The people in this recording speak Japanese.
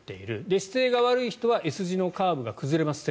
姿勢が悪い人は背骨のＳ字のカーブが崩れます。